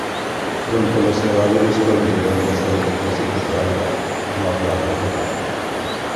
Pronto los cadáveres fueron llegando hasta los depósitos de agua, no había agua potable.